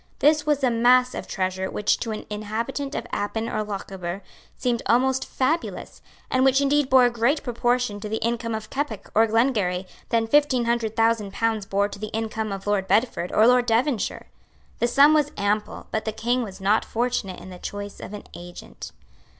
This was a mass of treasure which to an inhabitant of Appin or Lochaber seemed almost fabulous, and which indeed bore a greater proportion to the income of Keppoch or Glengarry than fifteen hundred thousand pounds bore to the income of Lord Bedford or Lord Devonshire. The sum was ample; but the King was not fortunate in the choice of an agent.